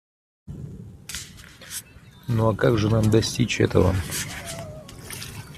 Ну а как же нам достичь этого?